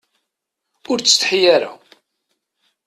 Ur ttsetḥi ara.